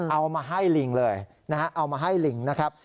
เอามาให้ลิงเลยนะฮะเอามาให้ลิงนะครับ